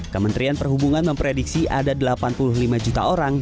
kementerian perhubungan memprediksi ada delapan puluh lima juta orang